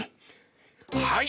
はい！